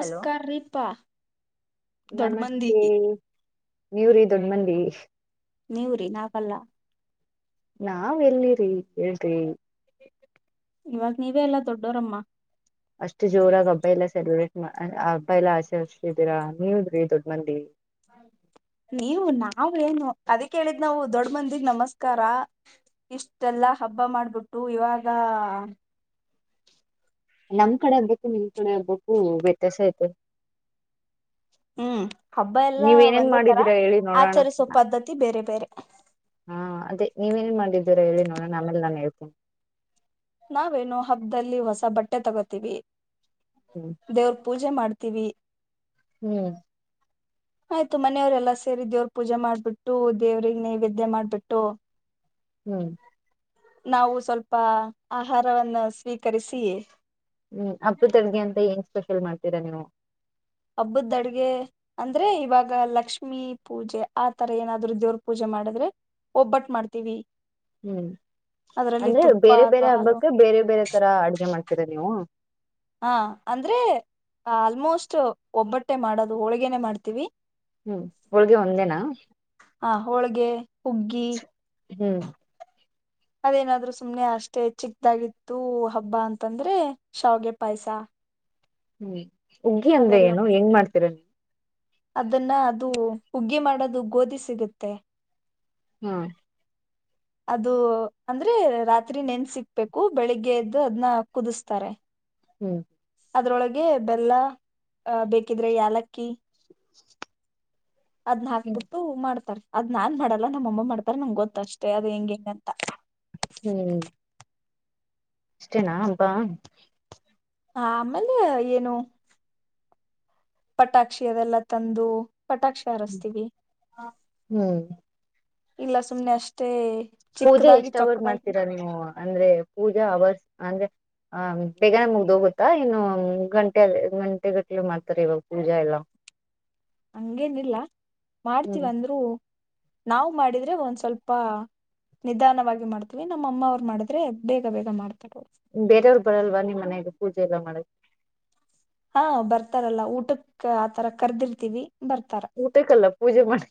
Hello ರೀಪಾ ದೊಡ್ ನಮಸ್ತೆ ಮಂದಿಗಿ ನೀವ್ರ ದೊಣ ಮಂದಿ ನೀವ್ರಿ ನಾಕಲ್ಲ ನಾವ್ ಎಲ್ಿರಿ ಹೇಳ್ರಿ ಇವಾಗ ನೀವೇ ಎಲ್ಲಾ ದೊಡ್ಡೋರಮ್ಮ ಅಷ್ಟು ಜೋರಾಗಿ ಹಬ್ಬ ಎಲ್ಲ ಸೆಲೆಬ್ರೇಟ್ ಹಬ್ಬ ಎಲ್ಲಾ ಆಸೆ ಹರ್ಷ ಇದಿದ್ದೀರಾ ನೀವದ್ರಿ ದೊಡ್ಡ ಮಂದಿ ಹ್ಮ ನೀವು ನಾವ ಏನು ಅದಕ್ೇಳಿದ್ ನಾವು ದೊಡ್ಡ ಮಂದಿಗ್ ನಮಸ್ಕಾರ ಇಷ್ಟೆಲ್ಲಾ ಹಬ್ಬ ಮಾಡ್ಬಿಟ್ಟು ಇವಾಗ ನಮ್ ಕಡೆ ಆಗ್ಬೇಕು ನಿಮ್ ಕಡೆ ಆಗ್ಬೇಕು ವ್ಯತ್ಯಾಸ ಆಯ್ತ ಹ್ಮ್ ಹಬ್ಬ ಎಲ್ಲಾ ಒಂದೇ ತರ ಮಾಡಿದೀರಾ ಹೇಳಿ ನೋಡೋಣ ಆಚರಿಸೋ ಪದ್ಧತಿ ಬೇರೆ ಬೇರೆ ಹಾ ಅದೇ ನೀವೇನ್ ಮಾಡಿದ್ದೀರ ಹೇಳಿ ನೋಡಣ ನ ಆಮೇಲ್ ನಾನು ಹೇಳ್ತೀನಿ ನಾವೇನು ಹಬದಲ್ಲಿ ಹೊಸ ಬಟ್ಟೆ ತಗೋತೀವಿ ಹ್ಮ್ ದೇವ್ರ ಪೂಜೆ ಮಾಡ್ತ ವಿ ಹ್ಮ್ ಆಯ್ತು ಮನೆಯವ್ರ ಎಲ್ಲಾ ಸೇರ ದೇವರು ಪೂಜೆ ಮಾಡ್ಬಿಟ್ಟು ದೇವ್ರಿಗೆ ನೈವೇದ್ಯ ಮಾಡ್ಬಿಟ್ಟು ಹ್ಮ್ ನಾವು ಸ್ವಲ್ಪ ಆಹಾರವವನ್ನು ಸ್ವೀಕರಿಸಿ ಹ್ಮ್ ಅಪ್ಪ ತಡ್ಗೆ ಅಂತ ಏನ್ ಸ್ಪೆಷಲ್ ಮಾಡ್ತೀರಾ ನೀವು ಹಬ್ಬದ ಅಡ್ಗೆ ಅಂದ್ರೆ ಇವಾಗ ಲಕ್ಷ್ಮೀ ಪೂಜೆ ಆ ತರ ಏನಾದ್ರು ದೇವ್ರ ಪೂಜೆ ಮಾಡಿದ್ರೆ ಒಬ್ಬಟ್ಟ ಮಾಡ್ತೀವಿ ಹ್ಮ್ ಅದ್ರಲ್ಲಿ ಅಂದ್ರೆ ತುಪ್ಪ ಬೇರೆ ಬೇರೆ ಅಥವಾ ಹಾಲು ಹಬ್ಬಕ್ಕೆ ಬೇರೆ ಬೇರೆ ತರ ಅಡ್ಗೆ ಮಾಡ್ತಿರ ನೀವು ಹಾ ಅಂದ್ರೆ ಆಲ್ಮೋಸ್ಟ್ ಒಬ್ಬಟ್ಟೆ ಮಾಡದು ಹೋಳ್ಗೇನೆೇ ಮಾಡ್ತೀವಿ ಹ್ಮ್ ಹೋಳ್ಗೆ ಒಂದೇನಾ ಹಾ ಹೋಳ್ಗೆ ಹುಗ್ಗಿ ಹ್ಮ್ ಅದೇನಾದ್ರು ಸುಮ್ನೆ ಅಷ್ಟೇ ಚಿಕ್ದಾಗಿತ್ತು ಹಬ್ಬ ಅಂತಂದ್ರೆ ಶಾವಗೆ ಪಾಯ್ಸ ಹ್ಮ್ ಉಗ್ಗಿ ಅಂದ್ರೆ ಏನು ಹೆಂಗ್ ಮಾಡ್ತೀರ ನೀ ಅದನ್ನ ಅದು ಉುಗ್ಗಿ ಮಾಡೋದು ಗೋಧಿ ಸಿಗುತ್ತೆ ಹ್ಮ್ ಅದು ಅಂದ್ರೆ ರಾತ್ರಿ ನೆನ್ಸಿಕ್ಬೇಕು ಬೆಳಿಗ್ಗೆ ಎದ್ದು ಅದ್ನ ಕುದುಸ್ತಾರೆ. ಹ್ಮ್. ಅದ್ರೊಳಗೆ ಬೆಲ್ಲ ಬೇಕಿದ್ರೆ ಯಾಲಕ್ಕಿ. ಅದ್ನ ಹಾಕ್ಬಿಟ್ಟು ಮಾಡ್ತಾರೆ. ಅದ್ ನಾನ್ ಮಾಡಲ್ಲ ನಮ್ಮಮ್ಮ ಮಾಡ್ತಾರ ನಂಗ ಗೊತ್ತಷ್ಟೇ ಅದ್ ಹೆಂಗ್ ಹೆಂಗ್ ಅಂತ. ಹ್ಮ್. ಅಷ್ಟೇನಾ ಹಬ್ಬ. ಹಾ ಆಮೇಲೆ ಏನು. ಪಟಾಕ್ಷಿ ಅದೆಲ್ಲ ತಂದು. ಪಟಾಕ್ಷಿ ಹಾರಸ್ತೀವಿ ಹ್ಮ್ ಇಲ್ಲ ಸುಮ್ನೆ ಅಷ್ಟೇ. ಪೂಜೆ ಚಿಕ್ಕದಾಗಿ ಎಷ್ಟ್ ಹವರ್ ಚೊಕ್ಕದಾಗಿ ಮಾಡ್ತೀರಾ ನೀವು ಅಂದ್ರೆ ಪೂಜೆ ಹವರ್ಸ್ ಅಂದ್ರೆ ಹಾ ಬೇಗನೆ ಮುಗ್ದೋಗುತ್ತಾ ಇನ್ನು ಗಂಟೆ ಗಂಟೆ ಗಟ್ಲೆ ಮಾಡ್ತಿರ ಇವಾಗ ಪೂಜಾ ಎಲ್ಲ. ಹಂಗೇನಿಲ್ಲ ಹ್ಮ್ ಮಾಡ್ತೀವಂದ್ರು ನಾವ್ ಮಾಡಿದ್ರೆ ಒಂದ್ ಸ್ವಲ್ಪ. ನಿಧಾನವಾಗಿ ಮಾಡ್ತೀವಿ ನಮ್ಮಮ್ಮ ಅವ್ರು ಮಾಡಿದ್ರೆ ಬೇಗ ಬೇಗ ಮಾಡ್ ಬೇರೆಯವರು ಬರಲ್ವ ನಿಮ್ಮ ಮನೆದು ಪೂಜೆ ಎಲ್ಲ ಮಾಡಕ್ ಹಾ ಬರ್ತಾರಲ್ಲ ಊಟಕ್ಕ ಆತರ ಕರ್ದಿರ್ತೀವಿ. ಬರ್ತಾರ ಊಟಕ್ಕಲ್ಲ ಪೂಜೆ ಮಾಡ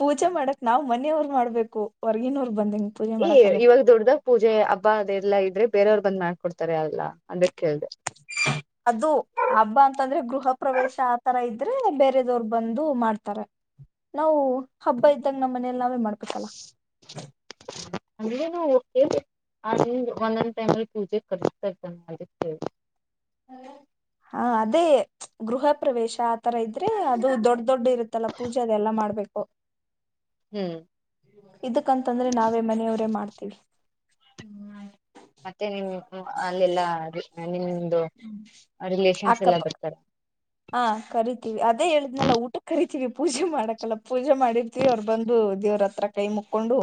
ಪೂಜೆ ಮಾಡಕ್ ನಾವ್ ಮನನಿಯವರ್ ಮಾಡ್ಬೇಕು ಹೊರ್ಗಿನವರ್ ಏ ಇವಾಗ ದೊಡ್ದಾಗ ಪೂಜೆ ಹಬ್ಬ ಅದೆಲ್ಲಾ ಇದ್ರೆ ಬೇರೆಯವ್ರು ಬಂದ್ ಮಾಡ್ಕೊಡ್ತಾರೆ ಅವೆಲ್ಲ. ಅದು ಹಬ್ಬ ಅಂತಂದ್ರೆ ಗೃಹ ಪ್ರವೇಶ ಆ ತರ ಇದ್ ದ್ರೆ ಬೇರೆದವ್ರ್ ಬಂದು ಮಾಡ್ತಾರೆ ನಾವು ಹಬ್ಬ ಇದ್ದಂಗ್ ನಮ್ ಮನೇಲ್ ನಾವೇ ಮಾಡ್ಬೇಕಲ್ಲ. ಹಂಗೇನು ಕೇಳ್ದೆ ಅ ಒಂದನ್ ಟೈಮಲ್ ಪೂಜೆ ಕರಸ್ ಬೇಕಂತೆ ಇದ್ದಕ್ಕೆ. ಹಾ ಅದೇ. ಗೃಹ ಪ್ರವೇಶ ಆತರ ಇದ್ರೆ ಅದು ದೊಡ್ ದೊಡ್ಡ ಇರುತ್ತಲ್ಲ ಪೂಜೆ ಅದೆಲ್ಲ ಮಾಡ್ಬೇಕು. ಹ್ಮ್ ಇದಕ್ಕಂತಂದ್ರೆ ನಾವೇ ಮನೆಯವ್ರೇ ಮಾಡ್ತೀವಿ. ಮತ್ತೆ ನಿಮ್ ಅಲ್ಲೆಲ್ಲಾ ನಿ. ಆ ರಿಲೇಷನ್ಸ್ ಎಲ್ಲ ಅಕ್ಕಪ ಬರ್ತಾರೆ. ಹಾ ಕರಿತೀವಿ ಅದೇ ಹೇಳಿದ್ನಲ್ಲ ಊಟಕ್ಕ್ ಕರ್ ರಿತೀವಿ ಪೂಜೆ ಮಾಡಕಲ್ಲ ಪೂಜೆ ಮಾಡಿರ್ತಿವಿ ಅವರು ಬಂದು ದೇವ್ರತ್ರ ಕೈ ಮುಕ್ಕೊಂಡು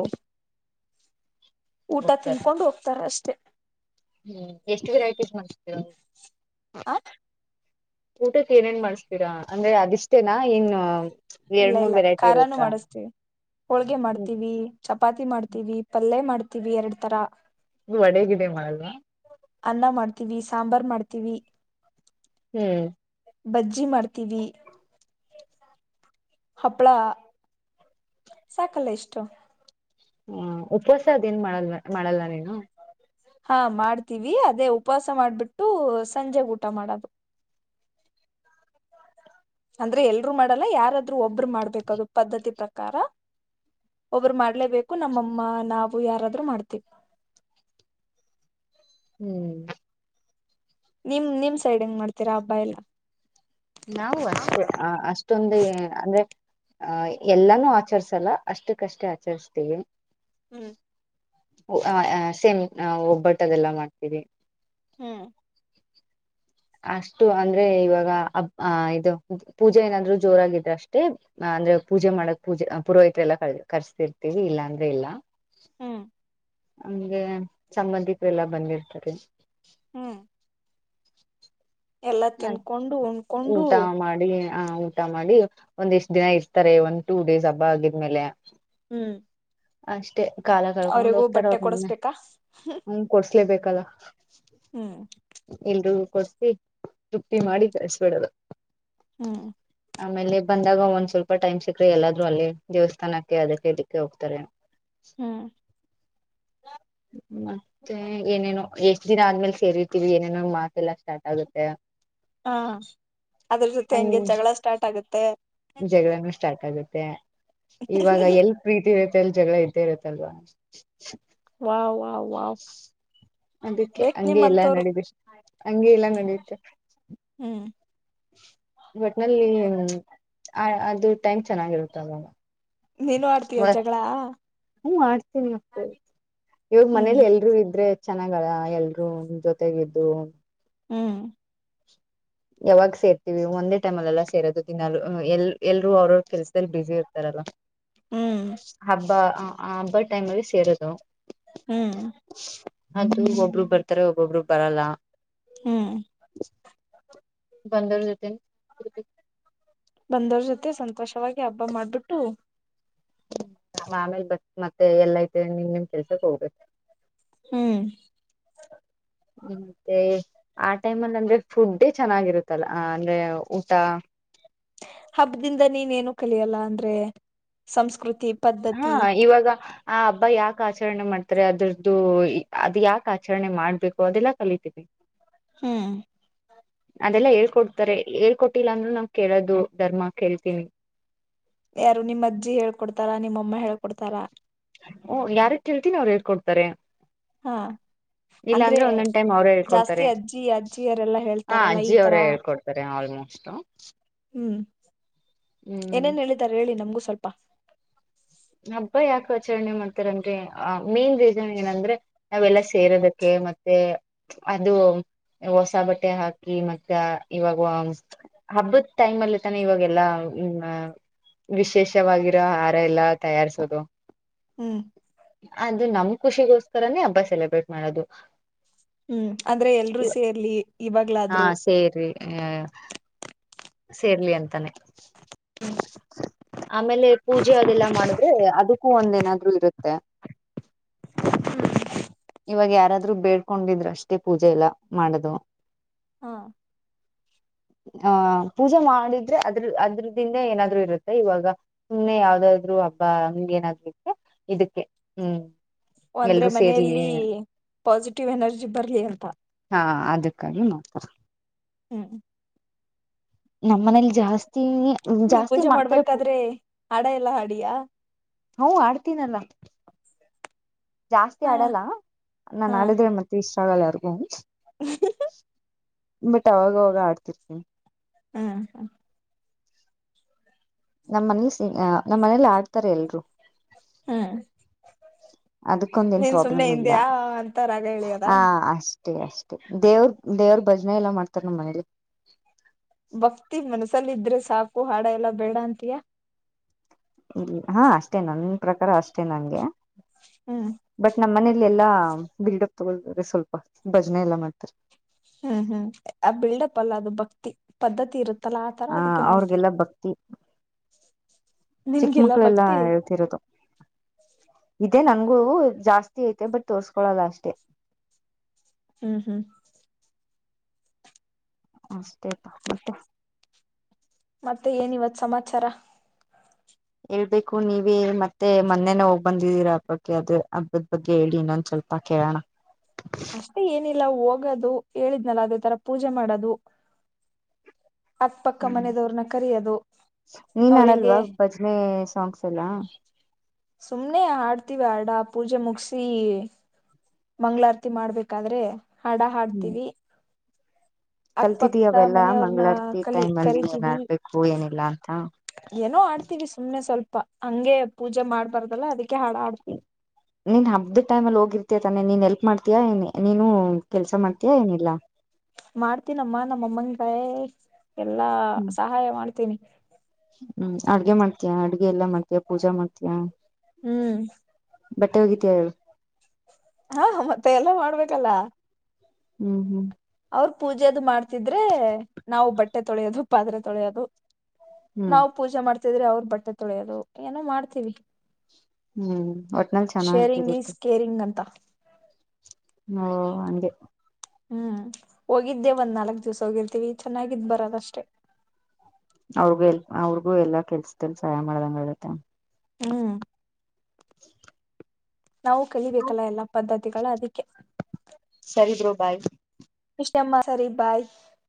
[inaudible] ಊಟ ಹೋಗ್ತಾರ ತಿನ್ಕೊಂಡ್ ಹೋಗ್ತಾರ್ ಅಷ್ಟೆ. ಹ್ಮ್ ಎಷ್ಟ್ ವೆರೈಟೀಸ್ ಮಾಡಸ್ತೀರಾ. ಆ ಊಟಕ್ಕೆ ಏನೇನ್ ಮಾಡಸ್ತೀರಾ ಅಂದ್ರೆ ಅದಿಷ್ಟೇನಾ ಏನ ಇಲ್ಲ ಎರಡ್ ಮೂರ್ ಇಲ್ಲ ವೆರೈಟಿ ಖಾರಾನು ಇರುತ್ತಾ. ಮಾಡಿಸ್ತೀವಿ ಹೋಳ್ಗೆ ಹ್ಮ್ ಮಾಡ್ತೀವಿ ಚಪಾತಿ ಮಾಡ್ತೀವಿ ಪಲ್ಯ ಮಾಡ್ತೀವಿ ಎರಡ್ ತರ. ವಡೆ ಗಿಡೆ ಮಾಡಲ್ವಾ. ಅನ್ನ ಮಾಡ್ತೀವಿ ಸಾಂಬಾರ್ ಮಾಡ್ತೀವಿ. ಹ್ಮ್. ಬಜ್ಜಿ ಮಾಡ್ತೀವಿ ಹಪ್ಪಳ ಸಾಕಲ್ಲ ಇಷ್ಟು. ಹಾ ಉಪವಾಸ ಅದೇನ್ ಮಾಡಲ್ವ ಮಾಡಲ್ಲ ನೀನು. ಹಾ ಮಾಡ್ತೀವಿ ಅದೇ ಉಪವಾಸ ಮಾಡ್ಬಿಟ್ಟು ಸಂಜೆ ಊಟ ಮಾಡೋದು. ಅಂದ್ರೆ ಎಲ್ರು ಮಾಡಲ್ಲ ಯಾರಾದ್ರು ಒಬ್ರು ಮಾಡ್ಬೇಕದು ಪದ್ಧತಿ ಪ್ರಕಾರ. ಒಬ್ರು ಮಾಡ್ಲೇಬೇಕು ನಮ್ಮಮ್ಮ ನಾವು ಯಾರಾದ್ರು ಮಾಡ್ತೀವಿ. ಹ್ಮ್. ನಿಮ್ ನಿಮ್ ಸೈಡ್ ಹೆಂಗ್ ಮಾಡ್ತೀರಾ ಹಬ್ಬ ಎಲ್ಲಾ. ನಾವು ಅಷ್ಟೇ ಅಷ್ಟೊಂದು ಅಂದ್ರೆ ಅ ಎಲ್ಲಾನೂ ಆಚರ್ಸಲ್ಲ ಅಷ್ಟಕ್ಕಷ್ಟೇ ಆಚರ್ಸ್ತೀವಿ. ಹ್ಮ್ ಸೇಮ್ ಒಬ್ಬಟ್ಟು ಅದೆಲ್ಲ ಮಾಡ್ತೀವಿ. ಹ್ಮ್ ಅಷ್ಟು ಅಂದ್ರೆ ಇವಾಗ ಅ ಇದು ಪೂಜೆ ಏನಾದ್ರು ಜೋರಾಗಿದ್ರ ಅಷ್ಟೇ ಅಂದ್ರೆ ಪೂಜೆ ಮಾಡಕ್ ಪೂಜೆ ಪುರೋಹತ್ರೆ ಎಲ್ಲ ಕರ್ಸ್ತಿರ್ತತಿವಿ ಇಲ್ಲ ಅಂದ್ರೆ ಇಲ್ಲ. ಹ್ಮ್ ಅಂಗೇ ಸಂಬಂಧಿಕರೆಲ್ಲ ಬಂದಿರ್ತಾರೆ. ಹ್ಮ್ ಎಲ್ಲಾ ಆ ತಿನ್ಕೊಂಡು ಉಣ್ಕೊಂಡು ಊಟ ಮಾಡಿ ಹ ಊಟ ಮಾಡಿ ಒಂದ ಎಷ್ಟ್ ದಿನ ಇರ್ತಾರೆ ಒಂದ್ ಟೂ ಡೇಸ್ ಹಬ್ಬ ಆಗಿದ್ಮೇಲೆ. ಹ್ಮ್ ಅಷ್ಟೇ. ಕಾಲ ಕಳ್ಕೊಂಡ್ ಅವ್ರಿಗೂ ಹೋಗ್ತಾರ ಬಟ್ಟೆ ಅವ್ರ ಮೊನ್ನೆ ಕೊಡಸ್ಬೇಕಾ ಹ ಕೊಡ್ಸ್ಲೇಬೇಕಲ್ಲ. ಹ್ಮ್ ಎಲ್ರೂ ಕೊಡ್ಸ ತೃಪ್ತಿ ಮಾಡಿ ಕಳ್ಸ್ಬಿಡದು. ಹ್ಮ್ ಆಮೇಲೆ ಬಂದಾಗ ಒಂದ್ ಸ್ವಲ್ಪ ಟೈಮ್ ಸಿಕ್ಕ್ರೆ ಎಲ್ಲಾದ್ರೂ ಅಲ್ಲಿ ದೇವಸ್ಥಾನಕ್ಕೆ ಅದಕ್ಕೆ ಇದಕ್ಕೆ ಹೋಗ್ತಾರೆ. ಹ್ಮ್ ಮತ್ತೆ ಏನೇ ಎಷ್ಟ್ ದಿನ ಆದ್ಮೇಲೆ ಸೇರಿರ್ತೀವಿ ಏನೇನೋ ಮಾತಲ್ಲ ಸ್ಟಾರ್ಟ್ ಆಗುತ್ತೆ. ಹಾ ಅದ್ರ ಜೊತೆ ಹೆಂಗೆ ಹಂಗ್ ಜಗಳ ಸ್ಟಾರ್ಟ್ ಆಗುತ್ತೆ. ಮತ್ತ ಇವಾಗ ಎಲ್ ಪ್ರೀತಿ ಇರುತ್ತೆ ಎಲ್ ಜಗಳ ಇದ್ದೇ ಇರುತ್ತಲ್ವಾ. ವಾಹ್ ವಹ್ ವಹ್. ಅದಕ್ಕೆ ಹಂಗೆ ಎಲ್ಲಾ ನಡಿದ ಹಂಗೆ ಎಲ್ಲಾ ನಡೆಯುತ್ತೆ. ಹ್ಮ್ ವಟ್ನಲ್ಲಿ ಆ ಅದು ಟೈಮ್ ಚೆನ್ನಾಗಿರುತ್ತೆ ಅವಾಗ. ನೀನು ಆಡ್ತೀಯೋ ಜಗಳ. ಹ್ಮ ಆಡ್ತೀನಿ [unintelligible] ಇವಾಗ್ ಹ್ಮ್ ಮನೇಲಿ ಎಲ್ರುೂ ಇದ್ರೆ. ಚೆನ್ನಾಗಲ ಎಲ್ರೂ ಜೊತೆಗಿದ್ದು. ಹ್ಮ್ ಯಾವಾಗ ಸೇರ್ತೀನವವಿ ಒಂದೇ ಟೈಮ್ ಅಲ್ಲ ಸೇರೋದು ದಿನ ಎಲ್ ಎಲ್ರು ಅವ್ರವ ಕೆಲ್ಸದಲ್ಲಿ ಬಿಜಿ ಇರ್ತಾರಲ್ಲ. ಹ್ಮ್ ಹಬ್ಬಾ ಅ ಅ ಹಬ್ಬಾ ಟೈಮ ಸೇರುದು. ಹ್ಮ್ ಅದು ಒಬ್ರು ಬರ್ತಾರೆ ಒಬ್ಬೊಬ್ರು ಬರಲ್ಲ. ಹ್ಮ್ ಬಂದರು ಜತೆನೆ ಬಂದವ್ರ್ ಜೊತೆ ಸಂತೋಷವಾಗಿ ಹಬ್ಬ ಮಾಡ್ಬಿಟ್ಟು ಆಮೇಲೆ ಬ ಮತ್ತೆ ಎಲ್ಲ ಐತಿ ನಿಮ್ ನಿಮ್ ಕೆಲ್ಸಕ್ ಹೋಗ್ಬೇಕು. ಹ್ಮ್ ಮತ್ತೆ ಆ ಟೈಮ ಅಲ್ಲಿ ಅಂದ್ರೆ ಫುಡ್ಡೇ ಚೆನ್ನಾಗಿರುತ್ತಲ್ಲ ಅಂದ್ರೆ ಊಟ. ಹಬ್ಬದಿಂದ ನೀನೇನು ಕಲಿಯಲ್ಲ ಅಂದ್ರೆ ಸಂಸ್ಕೃತಿ‌ ಹಾ ಇವಾಗ ಆ ಹಬ್ಬ ಯಾಕ ಆಚರಣೆ ಮಾಡ್ತಾರೆ ಅದ್ರದ್ದು ಅದ್ ಯಾಕ ಆಚರಣೆ ಮಾಡ್ಬೇಕು ಅದೆಲ್ಲಾ ಕಲಿತೀವಿ. ಹ್ಮ್ ಅದೆಲ್ಲ ಹೇಳ್ಕೊಡ್ತಾರೆ ಹೇಳ್ಕೊಟ್ಟಿಲ್ಲ ಅಂದ್ರು ನಾ ಕೇಳೋದು ಧರ್ಮ ಕೇಳ್ತೀನಿ. ಯಾರು ನಿಮ್ಮ ಅಜ್ಜಿ ಹೇಳ್ಕೊಡ್ತಾರಾ ನಿಮ್ಮಮ್ಮ ಹೇಳ್ಕೊಡ್ತಾರ. ಹೂ ಯಾರ ಕೇಳ್ತೀನಿ ಅವ್ರು ಹೇಳ್ಕೊಡ್ತಾರೆ. ಹಾ ಇಲ್ಲ ಅಂದ್ರೆ ಒಂದೊಂದ್ ಟೈಮ್ ಅವರೇ ಜಾಸ್ತಿ ಹೇಳ್ಕೊಡ್ತಾರೆ ಅಜ್ಜಿ ಅಜ್ಜಿಯರೆಲ್ಲಾ ಹ ಹೇಳ್ತಾರಲ್ಲ ಈ ಅಜ್ಜಿ ತರ ಅವರೇ ಹೇಳ್ಕೊಡ್ತಾರೆ ಆಲ್ಮೋಸ್ಟ್. ಇಷ್ಟ ಹ್ಮ್ ಏನೇನ್ ಹೇಳಿದ್ದಾರೆ ಹೇಳಿ ನಮಗೂ ಸ್ವಲ್ಪ. ಹಬ್ಬಾ ಯಾಕ ಆಚರಣೆ ಮಾಡ್ತಾರನ್ರಿ ಆ ಮೇನ್ ರೀಸನ್ ಏನಂದ್ರೆ ನಾವೆಲ್ಲಾ ಸೇರೋದಕ್ಕೆ. ಮತ್ತೆ ಅದು ಹೊಸ ಬಟ್ಟೆ ಹಾಕಿ ಮತ್ತ ಇವಾಗ ಹಬ್ಬದ ಟೈಮ್ ಅಲ್ಲಿ ತಾನ ಇವಾಗೆಲ್ಲಾ ಹ ವಿಶೇಷವಾಗಿರೋ ಆಹಾರ ಎಲ್ಲ ತಯಾರಿಸೋದು ಹ್ಮ್ ಅದು ನಮ ಖುಷಿಗೋಸ್ಕರನೇ ಹಬ್ಬ ಸೆಲೆಬ್ರೇಟ್ ಮಾಡೋದು ಹ್ಮ್ ಅಂದ್ರೆ ಎಲ್ರೂ ಸೇರ್ಲಿ ಹಾ ಇವಾಗ್ಲಾದ್ರು ಸೇರಿ ಹ ಸೇರ್ಲಿ ಅಂತಾನೆ ಆಮೇಲೆ ಪೂಜೆ ಅದೆಲ್ಲಾ ಮಾಡುದು ಅದಕ್ಕೂ ಒಂದೇನಾದ್ರು ಇರುತ್ತೆ ಹ್ಮ್ ಇವಾಗ ಯಾರಾದ್ರು ಬೇಡ್ಕೊಂಡಿದ್ರು ಅಷ್ಟೇ ಪೂಜೆ ಇಲ್ಲ ಮಾಡದು ಹಾ ಹ ಪೂಜೆ ಮಾಡಿದ್ರೆ ಅದ್ರ ಅದ್ರದಿಂದ ಏನಾದ್ರು ಇರುತ್ತೆ ಇವಾಗ ಸುಮ್ನೆ ಯಾವ್ದಾದ್ರು ಹಂಗ ಏನಾಗ್ಲಿಕ್ಕೆ ಇದಕ್ಕೆ ಹ್ಮ್ ಅಂದ್ರೆ ಎಲ್ರೂ ಸೇರ್ಲಿ ಮನೆಯಲ್ಲಿ ಪಾಸಿಟಿವ್ ಎನರ್ಜಿ ಬರ್ಲಿ ಅಂತ ಹಾ ಅದಕ್ಕಾಗಿ ಮಾತ್ರ ಹ್ಮ್ ನಮ್ಮ ಮನೇಲಿ ಜಾಸ್ತಿ ನೀನ್ ಜಾಸ್ತಿ ಮಾಡ್ತಾರೆ ಪೂ ಅಡಿಯಾ ಹ ಆಡ್ತೀನಲ್ಲ ಜಾಸ್ತಿ ಹಾ ಆಡಲ್ಲ ನಾನು ಹಾ ಆಡಿದ್ರೆ ಮತ್ತೆ ಇಷ್ಟ ಆಗಲ್ಲ ಯಾರಿಗೂ ಬಟ್ ಅವಾಗ ಅವಾಗ ಆಡ್ತಿರ್ತೀನ್ಿ ಹ್ಮ್ ಹಾ ನಮ್ಮ್ ಮನಲಿ ಸಿ ನಮ್ಮ ಮನೇಲಿ ಆಡ್ತಾರೆ ಎಲ್ರು ಹ್ಮ್ ಅದಕ್ಕೊಂದೇನ್ ನೀನ್ ಸುಮ್ನೆ ಪ್ರಾಬ್ಲಮ್ ಇಲ್ಲ ಹಿಂದೆ ಆ ಅಂತ ರಾಗ ಎಳಿಯೋದ ಹ ಅಷ್ಟ ಅಷ್ಟೇ ಅಷ್ಟೇ ದೇವ್ರ ದೇವ್ರ ಭಜನೆ ಎಲ್ಲಾ ಮಾಡ್ತಾರ ನಮ್ಮ ಮನೇಲಿ ಭಕ್ತಿ ಮನ್ಸಲ್ಲ ಇದ್ರೆ ಸಾಕು ಹಾಡ ಎಲ್ಲಾ ಬೇಡ ಅಂತಯಾ ಇ ಹಾ ಅಷ್ಟೇ ನನ್ನ ಪ್ರಕಾರ ಅಷ್ಟೇ ನಂಗೆ ಹ್ಮ್ ಬಟ್ ನಮ್ಮ್ ಮನೆ ಇಲ್ಲ ಎಲ್ಲಾ ಬಿಲ್ಡಪ್ ತಗೋ್ರ ಸ್ವಲ್ಪ ಭಜನೆ ಎಲ್ಲಾ ಮಾಡ್ತಾರೆ ಹ್ಮ್ ಹ್ಮ್ ಆ ಬಿಲ್ಡಪ್ಪ ಅಲ್ಲ ಅದು ಭಕ್ತಿ ಪದ್ಧತಿ ಇರುತ್ತೆ ಹ ಅವ್ರಿಗೆಲ್ಲ ಭಕ್ತಿ ಚಿಕ್ಕ ನಿನ್ಗಿಲ್ಲ ಮಕ್ಳೆಲ್ಲಾ ಭಕ್ತಿ ಹೇಳ್ತಿರೋದು ಮ ನನ್ಗೂ ಜಾಸ್ತಿ ಐತೆ ಬಟ್ ತೋರ್ಸ್ಕೊಳಲ್ಲ ಅಷ್ಟೇ ಹ್ಮ್ ಹ್ಮ್ ಅಷ್ಟೇತಾ ಮತ್ತೆ ಮತ್ತೆ ಏನ ಇವತ್ ಸಮಾಚಾರ ಹೇಳ್ಬೇಕು ನೀವ ಮತ್ತೆ ಮೊನ್ನೆನ ಹೋಗ್ ಬಂದಿದ್ದೀರಾ ಹಬ್ಬಕ್ಕೆ ಅದ ಹಬ್ಬದ ಬಗ್ಗೆ ಹೇಳಿ ಇನ್ನೊಂದ್ ಚಲ ಸ್ವಲ್ಪ ಕೇಳಣ ಅಷ್ಟೇ ಏನ ಲ್ಲ ಹೋಗೋದು ಹೇಳಿದ್ನಲ್ಲ ಅದೇ ತರ ಪೂಜೆ ಮಾಡದು ಅಕ್ಕ ಪಕ್ಕ ಹ್ಮ್ ಮನದವ್ರನ್ನ ಕರಯೋದು ನೀನ್ ಆಡಲ್ವಾ ಭಜನೆ ಸಾಂಗ್ಸ್ ಎಲ್ಲಾ ಸುಮ್ನೆ ಆಡ್ತೀವಿ ಅಡ ಪೂಜೆ ಮುಗಸಿ ಮಂಗ್ಗಳಾರತಿ ಮಾಡ್ಬೇಕಾದ್ರೆ ಹಡ ಹ್ಮ್ ಹಾಡ್ತೀವಿ ಕಲ್ತಿದೀಯ ಅಕ್ಪಕ್ತ ಅವೆಲ್ಲಾ ಮನೆಯವ್ರನ್ನ ಮಂಗಳಾರತಿ ಕಲಿ ಟೈಮ್ ಅಲ್ಲಿ ಏನ್ ಕರಿತೀನವಿ ಆಡ್ಬೇಕು ಏನಿಲ್ಲ ಅಂತ ಏನೋ ಆಡ್ತೀವಿ ಸುಮ್ನೆ ಸ್ವಲ್ಪ ಹಂಗೆ ಪೂಜೆ ಮಾಡ್ಬಾರ್ದಲ್ಲ ಅದಕ್ಕೆ ಹಾಡ ಹಾಡ್ತೀವಿ ನೀನ್ ಹಬ್ಬ್ದ ಟೈಮ್ ಅಲ್ಲಿ ಹೋಗಿರ್ತ ತಾನೆ ನೀನ್ ಎಲ್ಪ್ ಮಾಡ್ತೀಯಾ ನೀನು ಕೆಲ್ಸ ಮಾಡ್ತಯಾ ಏನಿಲ್ಲಾ ಮಾಡ್ತೀನಮ್ಮ ನಮ್ಮಮ್ಮನಕಾಯ ಎಲ್ಲಾ ಹ್ಮ್ ಸಹಾಯ ಮಾಡ್ತೀನಿ ಹ್ಮ್ ಅಡ್ಗೆ ಮಾಡ್ತಯ ಅಡ್ಗೆ ಎಲ್ಲಾ ಮಾಡ್ತಯ ಪೂಜಾ ಮಾಡ್ತಯ ಹ್ಮ್ ಬಟ್ಟೆ ಹೋಗಿತಯ ಹಾ ಮತ್ತೆ ಎಲ್ಲ ಮಾಡ್ಬೇಕಲ್ಲ ಹ್ಮ್ ಹ್ಮ್ ಅವ್ರ ಪೂಜೆದು ಮಾಡ್ತಿದ್ರೆ ನಾವು ಬಟ್ಟೆ ತೊಳೆಯೋದು ಪಾತ್ರೆ ತೊಳೆಯೋದು ಹ್ಮ್ ನಾವವು ಪೂಜೆ ಮಾಡ್ತಿದ್ರೆ ಅವ್ರ ಬಟ್ಟೆ ತೊಳೆಯೋದು ಏನೋ ಮಾಡ್ತೀವಿ ಹ್ಮ್ ಒಟ್ನಲ್ಲಿ ಶೇರಿಂಗ್ ಈ ಚೆನ್ನಾಗಿರುತ್ತೆ ಸ್ ಕೇರಿಂಗ್ ಅಂತ ಹ ಅೆ ಹ್ಮ್ ಹೋಗಿದ್ದೆ ಒಂದ್ ನಾಲ್ಕ್ ದಿವ್ಸ ಹೋಗಿರ್ತೀವಿ ಚೆನ್ನಾಗಿದ್ ಬರದಷ್ಟೆ ಅವ್ರಗ ಎಲ್ ಅವ್ರಿಗೂ ಎಲ್ಲಾ ಕೆಲ್ಸಲ್ ಸಹಾಯ ಮಾಡ್ದಂಗ ಆತ್ತೆ ಹ್ಮ್ ನಾವು ಕಲಿಬೇಕಲ್ಲ ಎಲ್ಲಾ ಪದ್ಧತಿಗಳು ಅದಕ್ಕೆ ಸರಿ ಬ್ರೋ ಬಾಯ್ ವಿಷಯ ಸರಿ ಬಾಯ್